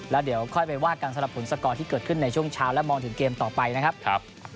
แล้วเดี๋ยวค่อยไปว่ากันสำหรับผลสกอร์ที่เกิดขึ้นในช่วงเช้าและมองถึงเกมต่อไปนะครับ